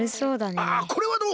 あこれはどう？